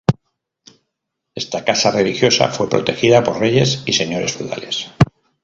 Esta casa religiosa fue protegida por reyes y señores feudales.